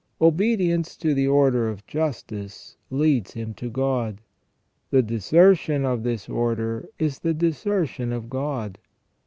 Obedience to the order of justice leads him to God. The desertion of this order is the deser tion of God.